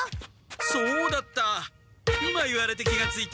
そうだった！